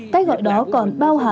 cách gọi đó còn bao hạn